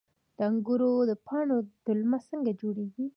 د انګورو د پاڼو دلمه څنګه جوړیږي؟